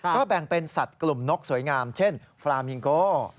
ก็แบ่งเป็นสัตว์กลุ่มนกสวยงามเช่นฟรามิงโก